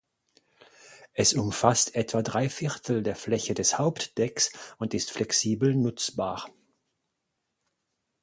Es umfasst etwa dreiviertel der Fläche des Hauptdecks und ist flexibel nutzbar.